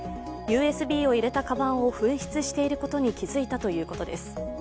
ＵＳＢを入れたかばんを紛失していることに気付いたということです。